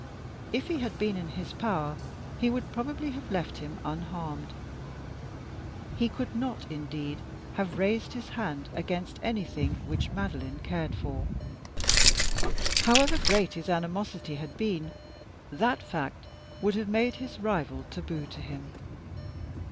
If he had been in his power he would probably have left him unharmed. He could not, indeed, have raised his hand against anything which Madeline cared for. However great his animosity had been, that fact would have made his rival taboo to him.